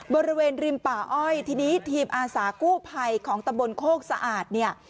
บริเวณริมป่าอ้อยทีนี้ทีมอาสากู้ภัยของตำบลโคกสะอาดเนี่ย